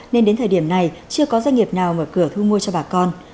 nên đến thời điểm này chưa có doanh nghiệp nào mở cửa thu mua cho bà con